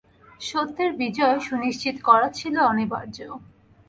সত্যের বিজয় সুনিশ্চিত করা ছিল অনিবার্য।